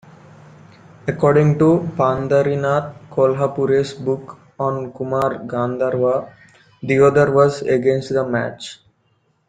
According to Pandharinath Kolhapure's book on Kumar Gandharva, Deodhar was against the match.